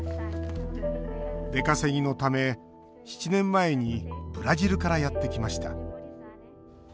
出稼ぎのため７年前にブラジルからやってきました。